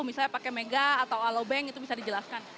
misalnya pakai mega atau alobank itu bisa dijelaskan